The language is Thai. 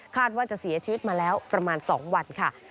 ว่าจะเสียชีวิตมาแล้วประมาณ๒วันค่ะ